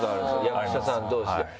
役者さん同士で。